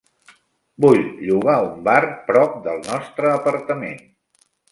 Vull llogar un bar prop del nostre apartament.